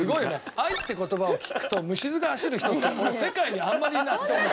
愛って言葉を聞くと虫酸が走る人って世界にあんまりいないと思う。